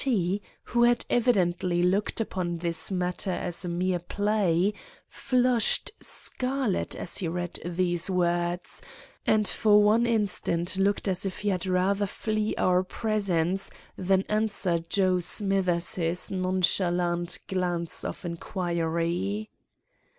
T——, who had evidently looked upon this matter as mere play, flushed scarlet as he read these words, and for one instant looked as if he had rather flee our presence than answer Joe Smithers's nonchalant glance of inquiry.